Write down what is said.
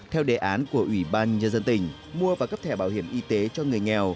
theo đề án của ủy ban nhân dân tỉnh mua và cấp thẻ bảo hiểm y tế cho người nghèo